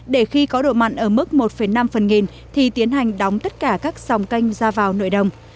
để khi có độ mặn ở mức một năm phần nghìn thì tiến hành đóng tất cả các dòng kênh ra vào nội đồng